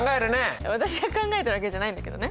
私が考えたわけじゃないんだけどね。